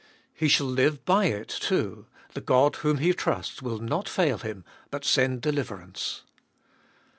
He shall live by it too, the God whom He trusts will not fail him but send deliverance.